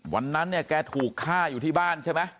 วันนั้นเนี่ยแกถูกฆ่าอยู่ที่บ้านใช่ไหม